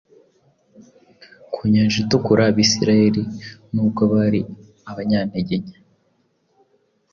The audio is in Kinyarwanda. Ku Nyanja itukura, Abisirayeli nubwo bari abanyantege nke,